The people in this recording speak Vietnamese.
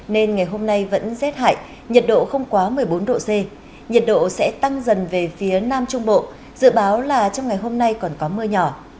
nên ngày hôm nay vẫn rét hại nhiệt độ không quá một mươi bốn độ c nhiệt độ sẽ tăng dần về phía nam trung bộ dự báo là trong ngày hôm nay còn có mưa nhỏ